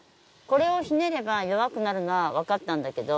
これをひねれば弱くなるのはわかったんだけど。